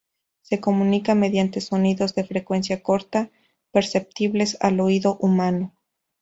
Se comunica mediante sonidos de frecuencia corta, perceptibles al oído humano.